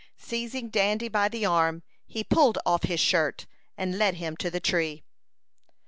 Seizing Dandy by the arm, he pulled off his shirt, and led him to the tree.